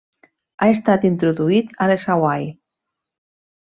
Ha estat introduït a les Hawaii.